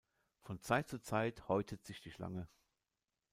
Von Zeit zu Zeit häutet sich die Schlange.